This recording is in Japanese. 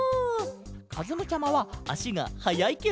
かずむちゃまはあしがはやいケロ？